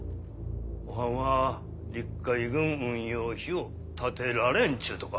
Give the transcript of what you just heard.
おはんは陸海軍ん運用費を立てられんちゅうとか？